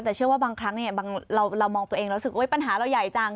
แต่เชื่อว่าบางครั้งบางเรามองตัวเองแล้วรู้สึกปัญหาเราใหญ่จัง